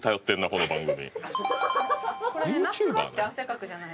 この番組。